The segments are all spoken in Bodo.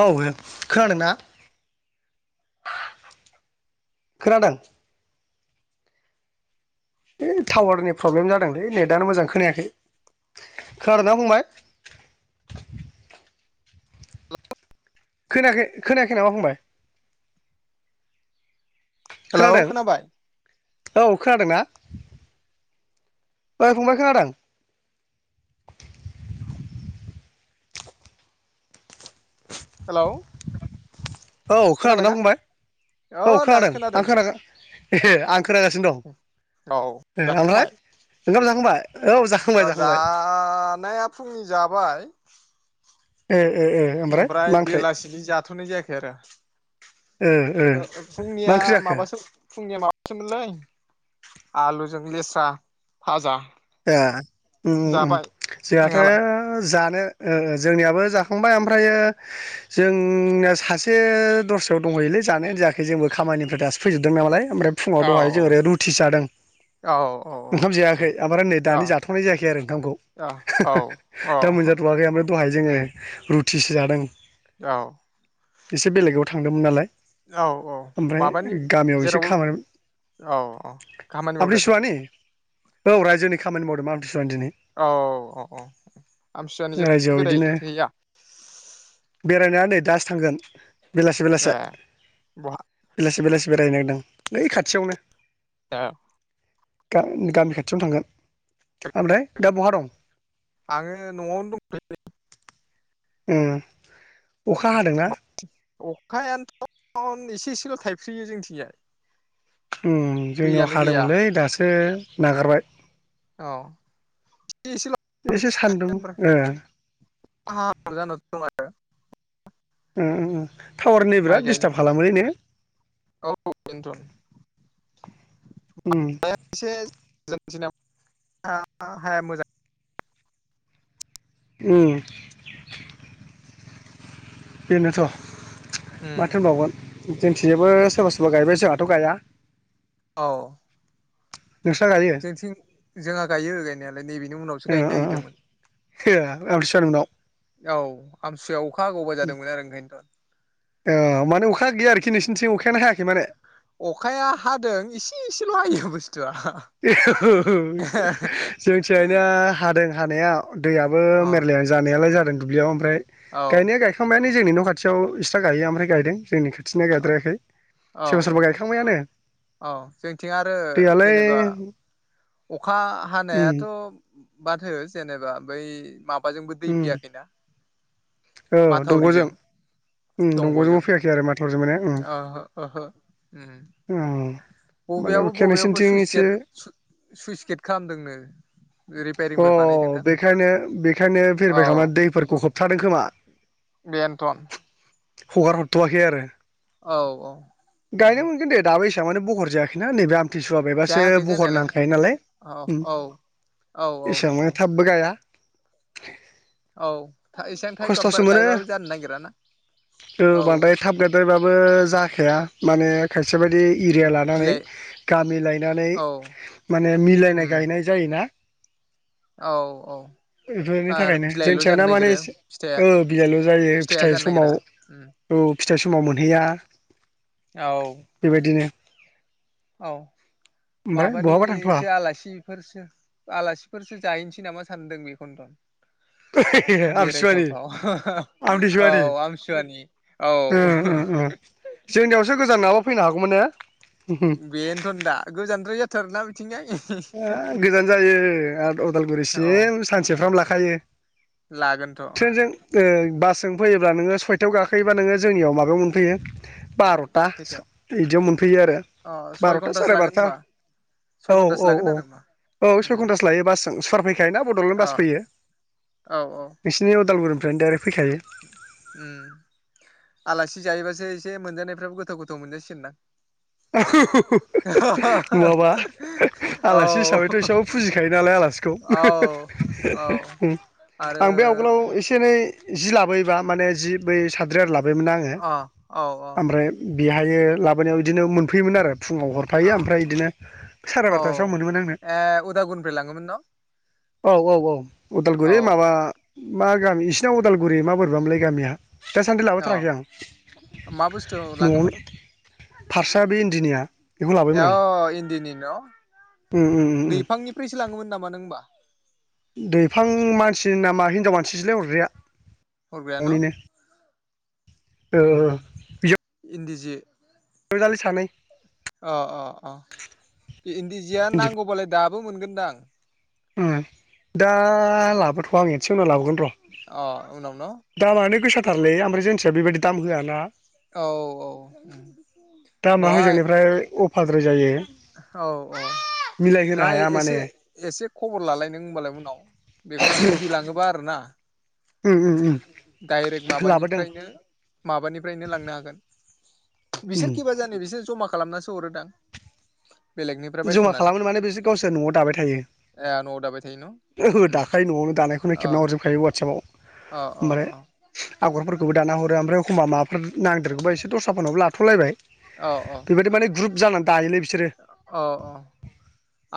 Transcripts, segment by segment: औ खोनादोंना खोनादों टावारनि प्रब्लेम जादोंलै नेटनो मोजां खोनायाखै खोनादोंना फंबाय खोनायाखै खोनायाखै नामा फंबाय हेल' खोनादों खोनाबाय औ खोनादोंना ओइ फंबाय खोनादों हेलौ औ खोनादोंना खोनाबायना फंबाय अ औ दासो खोनादों आं नै खोना ए आं खोनागासिनो औ दं ओमफ्राय जाखांबाय ओंखाम जाखांबाय औ जाखांबाय ओ जाखांबाय जानाया फुंनि जाबाय ए ए ए ओमफ्राय मा ओंख्रै थ'नाय जायाखै आरो ओ मा फुंनिया ओंख्रि जाखो माबासो फुंनिया माबासोमोनलै आलुजों लेस्रा भाजा ए उम उम जोंहाथ' नोंहालाय जा नो‌ ओ जोंनियाबो जाखांबाय ओमफ्रायो जोंनिया सासे दस्रायाव दंहैयोलै जानायानो जायाखै जोंबो खामानिनिफ्राय दासो फैजोबदों नालाय ओमफ्राय फुङाव औ दहाय जों औ ओरै रुथि जादों औ औ ओंखाम जायाखै ओमफ्राय नै औ दानि जाथ'नाय जायाखै आरो औ नोंखामखौ औ औ दा मोनजाथ'वाखै ओमफ्राय दहाय जोङो उम रुथिसो जादों औ एसे बेलेगाव थांदोंमोन नालाय औ औ ओमफ्राय माबानि गामियाव एसे जेराव खामानि औ औ खामानि मावदों आमथिसुवानि औ रायजोनि खामानि मावदों मा औ औ औ आमथिसुवानि जेरावबो रायजोआव बेेराइ इदिनो हैदिया बेरायनाया नै दासो थांगोन बेलासे ए बेलासे बहा बेलासे बेलासे बेरायनो होनदों ओइ खाथियावनो दा गा गामि खा- थियावनो थांगोन ओमफ्राय दा बहा दं आङो न'आवनो दंलै ए अखा दंथ'यो हादोंना अखायानोथ' एसे एसेल' थाइफ्रियो जोंथिंजाय उम जोंनियाव दैयानो गैया हादोंमोनलै दासो नागारबाय औ एसे एसे सान्दुं ओ [unintelligible] उम उम टावारनि माइ बिराद गायनो दिस्टार्ब खालामोलै ने औ बेनथ' उम [unintelligible] [unintelligible] हाया मोजां उम बेनोथ' उम माथो होनबावगोन जोंनिथिं जोबो सोरबा सोरबा गायबाय जोंहाथ' गाया औ नोंस्रा गायो जोंथिं जोंहा गायो गायनायालाय नैबेनि उनावसो ओ गायनो ओ नागिरदोंमोन आमथिसुवानि उनाव औ आमथि सुवायाव अखा हागौबा जादोंमोन आरो ओंखायनोथ' अ माने अखा गैया आरोखि नोंसोरनिथिं अखायानो हायाखै माने अखाया हादों इसे इसेल' हायोबो जोंथिजायना हादोंं हानाया दैयाबो अ मेरलाय जानायालाय जा दों दुब्लियाव ओमफ्राय औ गायनाया गायखांबायानो जोंनि न' खाथियाव इस्थ्रा गायो ओमफ्राय गायदों जोंनि खा थिना औ गायद्रायाखै सोरबा सोरबा औ गायखांबायानो औ जोंथिं आरो दैयालाय जेनेबा अखा उम हानायाथ' बादहो जेनेबा बै मा बाजोंबो दै उम फैयाखैनाा औ दंग'जों माथावरिजों उम दंग'जोंबो दंग'जों फैयाखै आरो माथावरिजों माने उम अ अ ओहो ओहो उम उम मालाय बबेयावबो अखाया बबेयावबो नोंसिनिथिं सुइस एसे गेट सुइस गेट खालामदोंनो अ रिपेयारिंफोर बानायदोंदां बेखायनो बेखायनो औ भेरिफाइ खालामनानै दैफोरखौ होबथादों खोमा बेनोथन हगार हरथ'वाखै आरो औ औ गायनाय मोनगोन दे दाबो मानो बहर जायाखै नै आम थिसुवा बायबासो जायाखै बहर जानायालाय नांखायो नालाय औ उम औ औ औ एसांबो औ थाबबो गाय आ औ था एसां थाइब गाबबा गायबाबो जानो नागिराना औ बो जाखाया माने खायस सेबायदि इरिया लानानै बिलाइ गामि लायनानै औ माने मिलायनाय उम गायनाय जायोना औ औ बेफोरनि आर थाखायनो बिलाइल' जोंथियाना जानो माने नागिरो एसे फिथाइया ओ बियायल' जायो फिथाइया फिथाइ जानो नागिरा समाव उम औ फिथाइ समाव मोनहैया औ बेबायदिनो औ ओमफ्राय बहाबा थांथ'वा माबानिसो आलासिफोरसो आलासिफोरसो जाहैनोसै नामा सानदों बेखनथ' [unintelligible] आमथिसुवानि औ आमदिसुवानि आमसुवानि औ उम उम उम जोंनियावसो गोजान नाव फैनो हागौमोन ने ओ बेनथ'न दा गोजानद्राय जाथारो ना थिंगाय [unintelligible] ओ गोजान जायो आद औ अदालगुरिसिम सानसेफ्राम लाख खायो लागोनथ' ओं बासजों फैयोब्ला नोङो सयथायाव गाखोयोबा नोङो जोंनियाव माबायाव मोनफैयो बार'था सा खैथायाव इदियाव मोनफैयो आरो अ सय बार'था घन्टासो साराय लागोन बार'था होनबा सय औ घन्टासो औ लागोन औ आरो होमबा औ सय उम घन्टासो लायो बासजों सर खायो ना बड'लेण्ड अ बास फैयो औ औ नोंसिनि उदालगुरि [unintelligible] उम आलासि जायोबासो एसे मोनजानायफ्राबो गोथाव गोथाव मोनजासिगोन ना [unintelligible] औ नङाबा आलासि हिसाबैथ' एसेबाबो फुजिखायो नालाय आलासिखौ औ औ आं आरो बे आवगोलाव एसे एनै जि लाबोयोबा माने जि बै सानद्रि आरो लाब बायमोन ना आङो अ औ आमफ्राय बेहायो लाबोनायाव दिनो मोनफैयोमोन आरो फुङाव हरफायो अ आमफ्राय इदिनो साराय औ बार'थासोआव मोनोमोन आंनो ए उदालगुरिनिफ्राय लाङोमोन न' औ औ औ औ उदालगुरि माबा मा गामि इसिरनाव उदालगुरि मा बोरैबा मोनलाय गामिया दासान्दि औ लाबोथाराखै आं मा बुस्थु न'आवनो लाङोमोन फारसा बे इन्दिनिया बेखौ अ लाबोयोमोन आं इन्दिनि न' उम उम उम दैफांनिफ्राय मिथिलाङोमोन नामा नों होनबा दैफां मानसि नामा हिनजाव मानसिसोलाय हरग्राया हरग्राया न ओ ओ ओ इन्दि जि सदालि सानै अ अ अ इन्दि जिया नांगौबालाय दाब दाबो मोनगोनदां उम दा लाबोथ' आं एदस उनाव लाबोगोन र' अ उनाव न' दामानो गोसा थारलै ओमफ्राय जोंनिथिया बेबायदि दाम होआ ना औ औ [unintelligible] दामा हजोंनिफ्राय अफाद्राय जायो औ औ मिलायहोनो नाय हाया माने एसे एसे खबर लालाय नों होमबालाय उनाव बेखौ इन्दि लाङोबा आरो ना उम उम उम डाइरेक्ट लाबोदों माबानिफ्रायनो माबानिफ्रायनो लांनो हागोन उम बिसोर खिबा जानि बिसोर जमा खालामनासो हरोदां बेलेगनिफ्राय जमा बायस'नानै खालामनो माने बिसोर गावसोर न'आव दाबाय थायो ए न'आव दाबाय थायो न' ओहो उम दाखायो न'आवनो दानायखौनो अ खेबना हरजोबखायो वाटसएपाव अ अ माले अ आगरफोरखौबो दाना हरो ओमफ्राय एखमबा माबा नांदेरगौबा एसे दस्राफोरनाव लाथ'लायबाय औ बेबायदि माने ग्रुप जानानै दायोलाय बिसोरो अ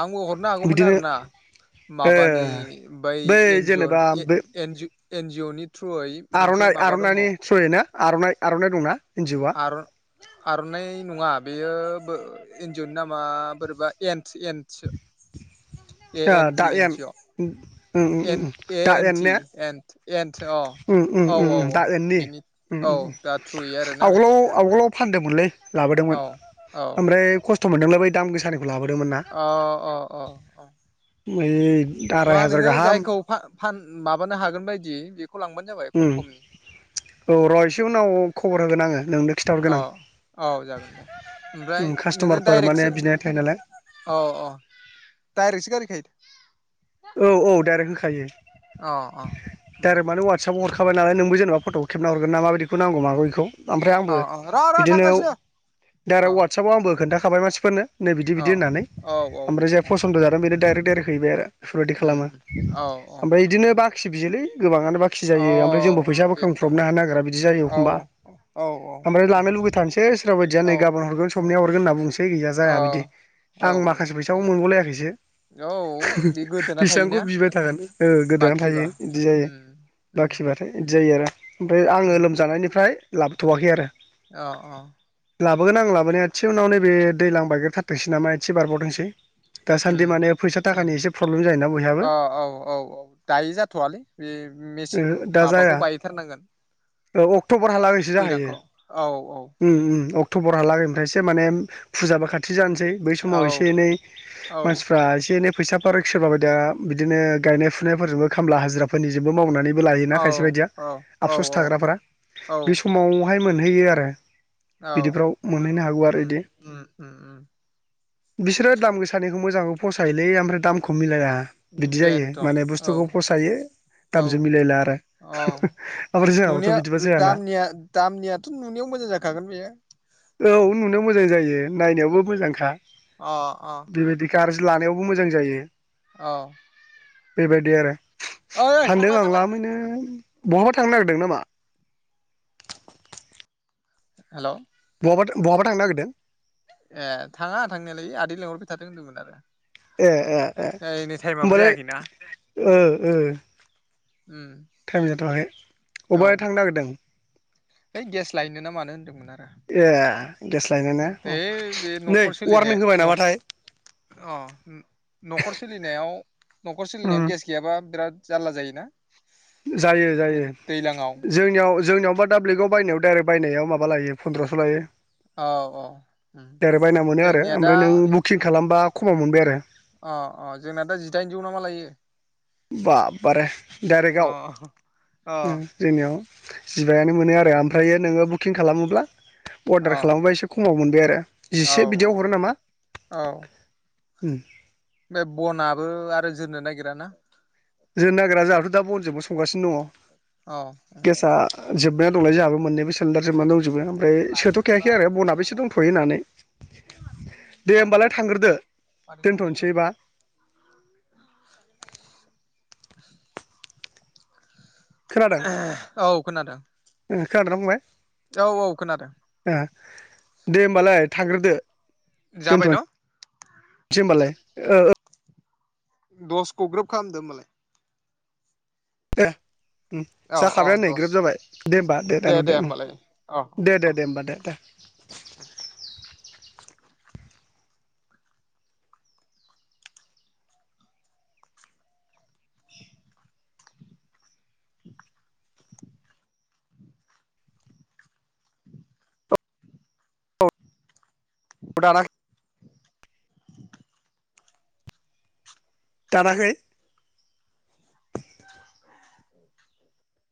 आंबो हरनो हागौमोन बिदिनो आरोना ए माबानि बै एन जि जेनेबा अ बे एन जि अ नि एन जिअ नि थ्रुयै मोनसे आर'नाइ माबा आर'नानि दङ थ्रुयै ना आर'नाइ आर'नाइ दंना एन जि अ आर' आर'नाइ नङा बेयो एन्जुनि नामा बोरैबा एन एनटि सो ए आ एन टि दा इनजिअ' उम ए उम उम दा एन टि ने एनद उम उम उम दा एननि उम औ उम दा थ्रुयै आरोना आगोलाव आवगोलाव फानदोंमोनलै लाबोदोंमोन औ औ ओमफ्राय खस्थ' मोनदोंलाय बै दाम गोसानिखौ लाबोदोंमोन ना अ अ अ अ [unintelligible] नङा हाजार नोङो गाहाम जायखौ फा फान माबानो हागोन बायदि से उम ओ र एसे उनाव खबर होगोन आङो नोंनो खिन्थाहरगोन औ आं औ जागोन दे ओमफ्राय उम नोङो कास्ट'मारफोर माने डाइरेक्टसो बिनाय थायो नालाय औ औ डाइरेक्टसो गारिखायो औ औ डाइरेक्ट होखायो अ अ डाइरेक्ट माने वाटसपाव हर खाबाय नाय नोंबो जेनेबा फट'खौे खेबना हरगोन माबायदिखौ नांगौ माबेखौ ओमफ्राय आंबो अ अ र' र' बिदिनो थांगासिनो अ डाइरेक्ट वाटसपाव आंबो खोन्था थाबाय मानसिफोरनो नै बिदि अ बिदि होननानै औ औ ओमफ्राय जायहा फसन्द' जादों बेनो डाइरेक्ट देरहैबाय बेफोरबायदि उम खालामो उम औ औ ओमफ्राय बिदिनो बाखि बियोलै गोबाङानो बाखि औ जायो ओमफ्राय जोंबो बेनोथन फैसाबुखांब्रबनो हानो नागिरा बिदि जायो औ एखमबा औ ओमफ्राय लानो लुबैथारनोसै सोरबा बायदिया नै ओ गाबोन हरगोन सबनिया होगोन होनना बुंसै है गैया औ जाया बिदि औ आं माखासे फैसाखौ मोनबावलायाखैसो औ बे गोदोना बिसिबांखौ थायोना बिबाय थागोन ओ गोदोना बाखिबा थायो बिदि जायो उम उम बाखिबाथाय जायो आरो ओमफ्राय आङो उम लोमजानायनिफ्राय लाबोथ'वाखै आरो अ अ लाबोगोन आं लाबोनाया एसे उनाव नैबे दैलां बायग्रोथारथोंसै नामा एसे बारबावथोंसै दासान्दि माने फैसा थाखानि एसे प्रब्लेम जायोना बयहाबो ओ औ औ औ दायो जाथ'वालै बे मेसे दा जाया माबाखौ बायथारनांगोन अक्ट'बरहालागैसो जाहैयो दैज्लांखौ औ औ उम फुजाबा खाथि बि जानोसै बै औ समाव एसे एनै औ औ मानसिफ्रा एसे एनै फैसा फारक सोरबायदिया बिदिनो गायनाय फुनायफोरजोंबो खामला हाजिराफोरनिजोंबो मावनानै लायोना खायसे बायदिया औ आ आफसस थाग्राफ औ औ बे समाव बेहाय मोनहैयो आरो औ बिदिफ्राव मोनहैनो हागौ उम आरो बिदि उम उम उम बिसोरो दाम गोसानिखौ मोजां फसायलै ओमफ्राय दाम खमिला बिदि जायो बेनथन माने औ बुस्थुखौ फसायो औ दामजों मिलायला आरो औ ओमफ्राय जोंहाबाथ' नुनाया बिदिबा जायाना दामनिया दामनियाथ' नुनायाव मोजां जाखागोन बेयो औ नुनायाव मोजां जायो बे नायनायावबो मोजांखा अ अ गाज्रि लानायावबो मोजां जायो औ बेबायदि आरो ओइ फानदों थांलाय आं थांलाय लामैनो बहाबा थांनो नागिरदों नामा हेल' मा बहाबा थांनो नागिरदों ए थाङा थांनायालाय आदै लेंहरबाय थादों होनदोंमोन आरो ए ए ए ओइ नै टाइमाबो होनोमबालाय जायाखैना ओ ओ उम टाइम जाथ'वाखै अबेबहाय थांनो नागिरदों है गेस लायोनोना मानो होनदोंमोन आरो ए गेस लायनो ने बे बे नै न'खर सोलिनाय वारनिं होबाय नामाथाय अ न'खर सोलिनायाव न'खर सोलिनायाव गेस गैयाबा बिराद जारला जायोना जायो जायो दैज्लाङाव जोंनियाव जोंनियाव हा दा ब्लिकआव बायनाय डाइरेक्ट बायनायाव माबा लायो पन्द्रस' लायो औ औ दाइरेक्त बायना मोनो आरो जोंनिया दा ओमफ्राय नों बुकिं खालामबा खमाव मोनबाय आरो अ अ जोंना दा जिदाइनजौ नामा लायो बा बारे अ डाइरेक्टआव अ जोंनियाव जिबायानो मोनो आरो ओमफ्रायो नोङो बुकिं खालामोब्ला अ अर्डार खालामोबा एसे खमाव मोनबाय आरो औ जिसे बिदियाव हरो नामा औ उम बे बनाबो आरो जोरनो नागिरा ना जोरनो नागिरा जोंहाथ' दा बनजोंबो संगासिनो दङ औ गेसा जोबबाय दंनाय जोंहाबो [unintelligible] सोलदार जोबनानै दंजोबो ओमफ्राय लायोबा सोथ'खायाखै आरो दुइ हाजार बनाबोसे लाखा दंथ'यो हर होननानै दे होमबालाय थांग्रोदो दोनथ'नोसै बा खोनादों [inaudible] औ खोनादों खोनादोना औ औ खोनादों फंबाय दे होनबालाय थांग्रोदो जाबाय दोनथ'नो न' सै होनोमबालाय औ औ दसखौ ग्रोब खालामदो हबालाय दे औ औ जाखाबाय नै दस ग्रोब जाबाय दे होमबा दे दान' दे होमबालाय अ दे अ दे दे होमबा दे दे [inaudible] [inaudible] अ दाना दानाखै